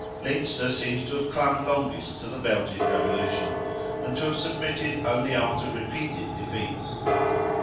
Leinster seems to have clung longest to the Belgic revolution, and to have submitted only after repeated defeats.